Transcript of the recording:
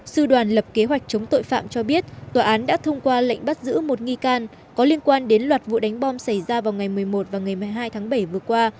sư đoàn lập kế hoạch chống tội phạm cho biết tòa án đã thông qua lệnh bắt giữ một nghi can có liên quan đến loạt vụ đánh bom xảy ra vào ngày một mươi một và ngày một mươi hai tháng bảy vừa qua